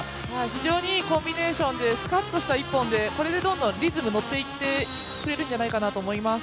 非常にいいコンビネーションでスカッとした１本で、これでどんどんリズムに乗っていってくれるんじゃないかなと思います。